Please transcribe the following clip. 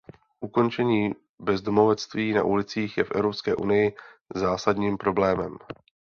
Ukončení bezdomovectví na ulicích je v Evropské unii zásadním problémem.